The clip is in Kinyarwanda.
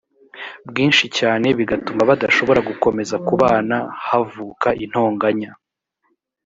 bwinshi cyane bigatuma badashobora gukomeza kubana havuka intonganya